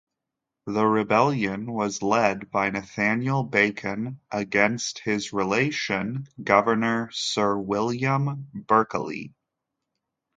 The rebellion was led by Nathaniel Bacon against his relation, Governor Sir William Berkeley.